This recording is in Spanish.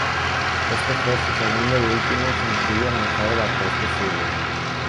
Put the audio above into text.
Este fue su segundo y último sencillo lanzado bajo este sello.